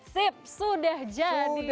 sip sudah jadi deh